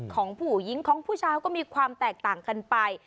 ของผู้หญิงของผู้ชายก็มีความแตกต่างกันไป